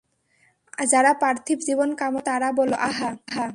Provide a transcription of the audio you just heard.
যারা পার্থিব জীবন কামনা করত তারা বলল, আহা!